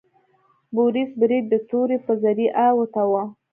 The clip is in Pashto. بوریس برید د تورې په ذریعه وتاوه.